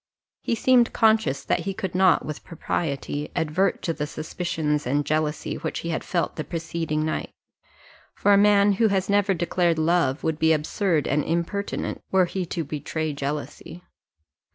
He seemed conscious that he could not, with propriety, advert to the suspicions and jealousy which he had felt the preceding night; for a man who has never declared love would be absurd and impertinent, were he to betray jealousy.